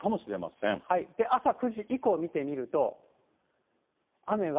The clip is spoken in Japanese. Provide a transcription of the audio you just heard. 朝９時以降見てみると、雨が。